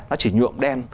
nó chỉ nhuộm đen